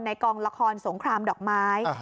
กองละครสงครามดอกไม้